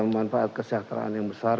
manfaat kesejahteraan yang besar